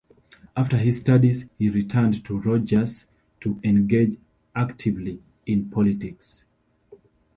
After his studies, he returned to Rodrigues to engage actively in politics.